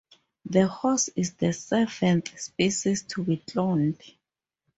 The horse is the seventh species to be cloned.